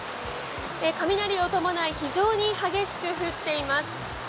雷を伴い非常に激しく降っています。